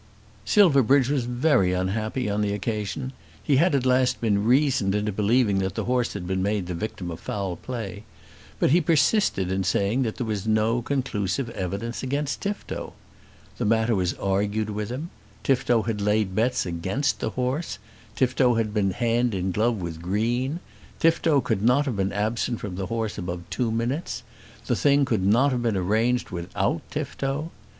Silverbridge was very unhappy on the occasion. He had at last been reasoned into believing that the horse had been made the victim of foul play; but he persisted in saying that there was no conclusive evidence against Tifto. The matter was argued with him. Tifto had laid bets against the horse; Tifto had been hand and glove with Green; Tifto could not have been absent from the horse above two minutes; the thing could not have been arranged without Tifto.